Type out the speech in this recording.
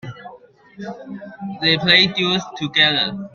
They play duets together.